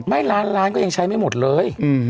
ไม่ล้านล้านก็ยังใช้ไม่หมดเลย